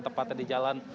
tepatnya di jalan